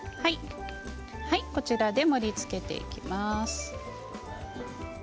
こちらで盛りつけていきます。